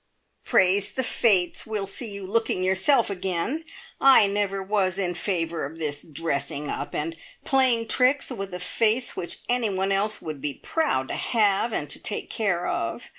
"Praise the fates, we'll see you looking yourself again! I never was in favour of this dressing up, and playing tricks with a face which anyone else would be proud to have, and to take care of.